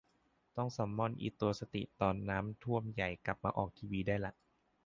ต้องซัมมอนอิตัวสติตอนน้ำท่วมใหญ่กลับมาออกทีวีได้ละ